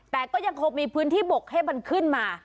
แต่ก็ยังคงมีพื้นที่บกให้มันขึ้นมา